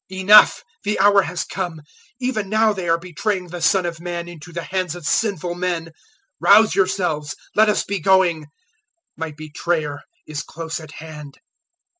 Enough! the hour has come. Even now they are betraying the Son of Man into the hands of sinful men. 014:042 Rouse yourselves, let us be going: my betrayer is close at hand."